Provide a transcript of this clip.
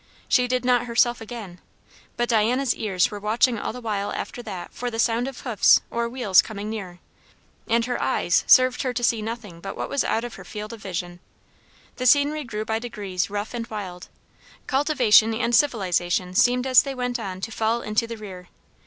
She did not herself again; but Diana's ears were watching all the while after that for the sound of hoofs or wheels coming near; and her eyes served her to see nothing but what was out of her field of vision. The scenery grew by degrees rough and wild; cultivation and civilisation seemed as they went on to fall into the rear.